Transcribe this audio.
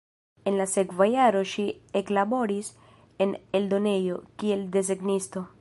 En la sekva jaro ŝi eklaboris en eldonejo, kiel desegnisto.